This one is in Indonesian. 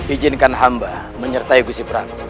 ijinkan hamba menyertai bu siprah